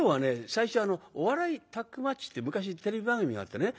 最初「お笑いタッグマッチ」って昔テレビ番組があってね